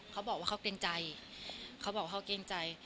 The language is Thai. เขาบอกว่าเขาเกรงใจ